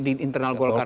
di internal golkar